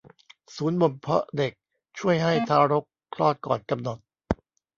ศูนย์บ่มเพาะเด็กช่วยให้ทารกคลอดก่อนกำหนด